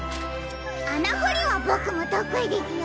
あなほりはボクもとくいですよ！